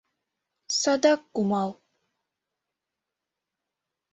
— Садак кумал...